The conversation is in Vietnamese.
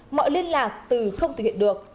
mọi liên lạc từ không thực hiện được